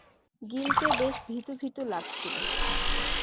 গিলকে বেশ ভীতু ভীতু লাগছিল।